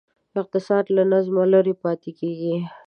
اقتصاد له نظمه لرې پاتې کېږي.